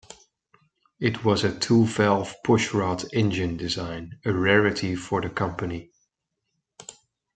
It was a two-valve pushrod engine design, a rarity for the company.